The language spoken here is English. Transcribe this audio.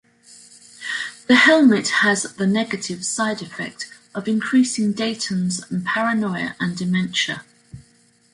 The helmet has the negative side effect of increasing Dayton's paranoia and dementia.